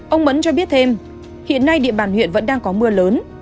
ông mẫn cho biết thêm hiện nay địa bàn huyện vẫn đang có mưa lớn